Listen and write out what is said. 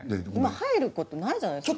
入ることないじゃないですか。